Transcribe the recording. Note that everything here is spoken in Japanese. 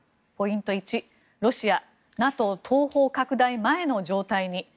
ポイント１、ロシアＮＡＴＯ東方拡大前の状態に。